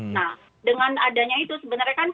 nah dengan adanya itu sebenarnya kan